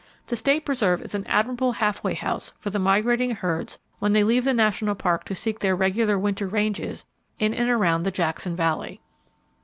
The State Preserve is an admirable half way house for the migrating herds when they leave the National Park to seek their regular winter ranges in and around the Jackson Valley.